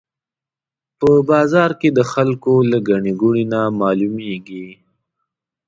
په بازار کې د خلکو له ګڼې ګوڼې نه معلومېږي.